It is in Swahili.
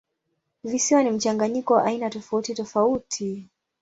Visiwa ni mchanganyiko wa aina tofautitofauti.